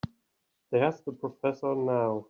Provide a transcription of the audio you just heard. There's the professor now.